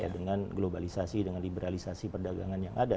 dengan globalisasi dengan liberalisasi perdagangan yang ada